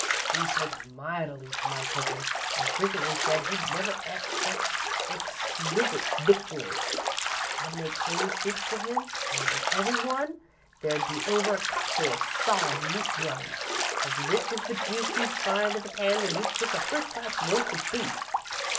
"He took mightily to my cookin' an' frequently said he'd never et such exquisite victuals. I'd make cream soups for him, an' in every one, there'd be over a cupful of solid meat jelly, as rich as the juice you find in the pan when you cook a first class roast of beef.